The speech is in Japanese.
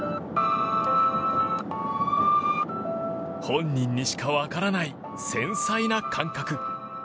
本人にしか分からない繊細な感覚。